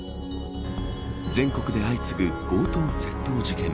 全国で相次ぐ強盗窃盗事件。